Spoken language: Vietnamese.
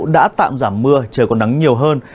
đã tạm giảm mưa trời còn nắng nhiều hơn